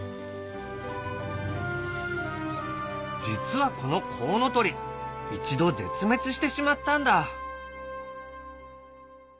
実はこのコウノトリ一度絶滅してしまったんだ。